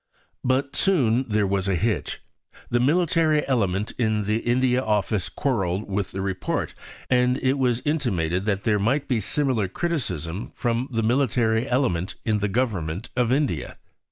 But soon there was a hitch. The military element in the India Office quarrelled with the Report, and it was intimated that there might be similar criticism from the military element in the Government of India.